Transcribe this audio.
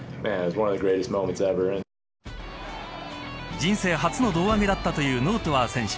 人生初の胴上げだったというヌートバー選手。